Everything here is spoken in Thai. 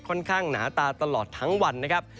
ค่อนข้างหนาตาตลอดทั้งวันนะครับ